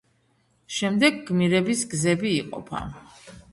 შემდეგ გმირების გზები იყოფა.